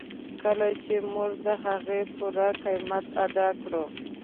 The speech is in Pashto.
کله چې موږ د هغې پوره قیمت ادا کړو.